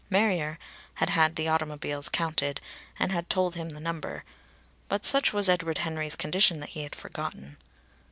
Marrier had had the automobiles counted and had told him the number , but such was Edward Henry's condition that he had forgotten.